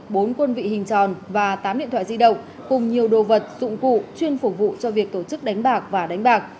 bốn quân vị hình tròn và tám điện thoại di động cùng nhiều đồ vật dụng cụ chuyên phục vụ cho việc tổ chức đánh bạc và đánh bạc